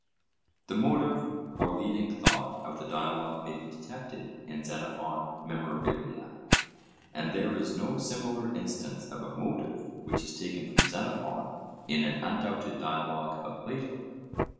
The motive or leading thought of the dialogue may be detected in Xen. Mem., and there is no similar instance of a 'motive' which is taken from Xenophon in an undoubted dialogue of Plato.